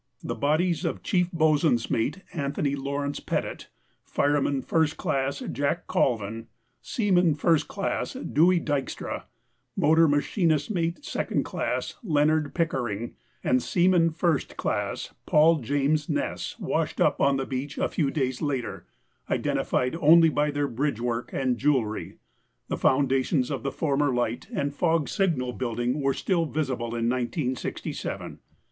The bodies of Chief Boat┬¼ swain's Mate Anthony Lawrence Pettit, Fireman 1st Class Jack Colvin, Seaman 1st Class Dewey Dykstra, Motor Machinist's Mate 2nd Class Le┬¼ onard Pickering, and Seaman 1st Class Paul James Ness washed up on the beach a few days later, identified only by their bridgework and jew┬¼ elry. The foundations of the former light and fog signal building were still visible in 1967. (Snow 1955: 279 80; USCG January 15, 1974: p.c.)